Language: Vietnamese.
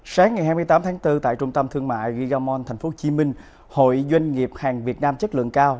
sáng ngày hai mươi tám tháng bốn tại trung tâm thương mại gigamon tp hcm hội doanh nghiệp hàng việt nam chất lượng cao